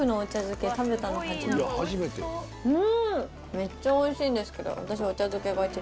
めっちゃおいしいんですけど。